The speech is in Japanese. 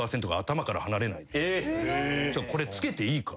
これつけていいか？